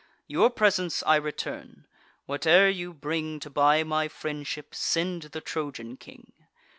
Your presents I return: whate'er you bring To buy my friendship, send the Trojan king.